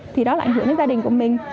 thì đó là ảnh hưởng đến gia đình của mình